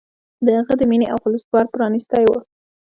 د هغه د مینې او خلوص ور پرانستی و.